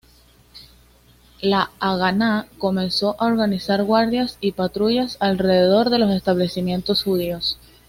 La Haganá comenzó a organizar guardias y patrullas alrededor de los establecimientos judíos.